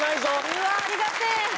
うわあありがてえ！